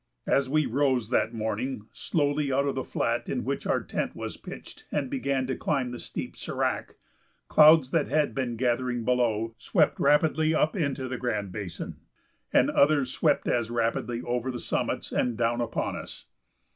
As we rose that morning slowly out of the flat in which our tent was pitched and began to climb the steep sérac, clouds that had been gathering below swept rapidly up into the Grand Basin, and others swept as rapidly over the summits and down upon us.